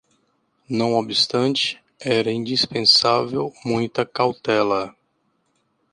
Não obstante, era indispensável muita cautela: